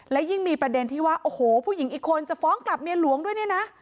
และยิ่งมีประเด็นที่ว่าโอ้โหผู้หญิงอีกคนจะฟ้องกลับเมียหลวงด้วยเนี่ยนะ